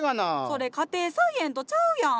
それ家庭菜園とちゃうやん！